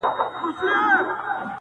چي یې لاره کي پیدا وږی زمری سو-